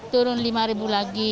turun lima ribu lagi